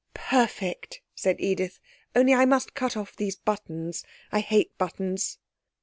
'Perfect!' said Edith. 'Only I must cut off those buttons. I hate buttons.'